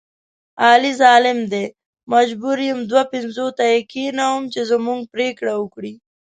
علي ظالم دی مجبوره یم دوه پنځوته یې کېنوم چې زموږ پرېکړه وکړي.